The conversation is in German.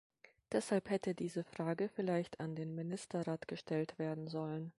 Deshalb hätte diese Frage vielleicht an den Ministerrat gestellt werden sollen.